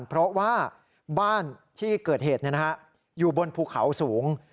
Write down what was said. เพราะว่าบ้านที่เกิดเหตุอยู่บนภูเขาสูง